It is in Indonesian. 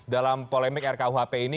dalam polemik rkuhp ini